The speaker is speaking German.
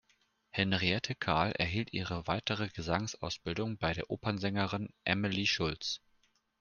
Henriette Carl erhielt ihre weitere Gesangsausbildung bei Opernsängerin Amalie Schulz.